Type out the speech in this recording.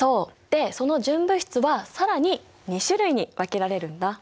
でその純物質は更に２種類に分けられるんだ。